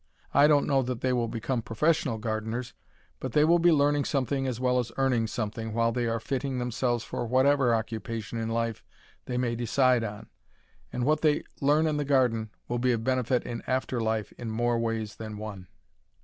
I don't know that they will become professional gardeners, but they will be learning something as well as earning something while they are fitting themselves for whatever occupation in life they may decide on, and what they learn in the garden will be of benefit in after life in more ways than one.